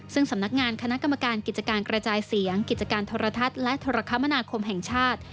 ซึ่งสำนักงานคณะกรรมการกิจการกระจายเสียงกิจการโทรทัศน์และโทรคมนาคมแห่งชาติ